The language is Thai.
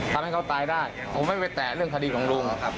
ทำให้เขาตายได้ผมไม่ไปแต่เรื่องคดีของลูก